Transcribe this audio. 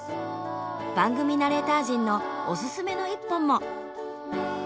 番組ナレーター陣のおすすめの一本も。